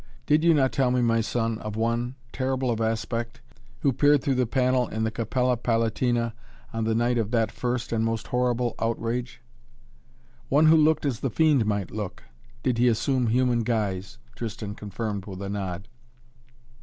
Did you not tell me, my son, of one, terrible of aspect, who peered through the panel in the Capella Palatina on the night of that first and most horrible outrage?" "One who looked as the Fiend might look, did he assume human guise," Tristan confirmed with a nod.